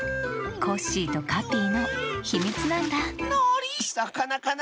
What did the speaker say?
コッシーとカピイのひみつなんださかなかな。